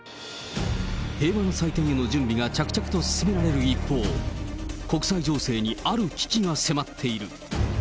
平和の祭典への準備が着々と進められる一方、国際情勢にある危機が迫っている。